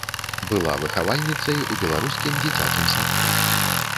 Была выхавальніцай у беларускім дзіцячым садку.